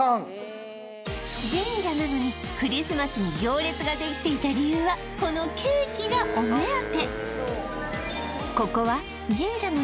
神社なのにクリスマスに行列ができていた理由はこのケーキがお目当て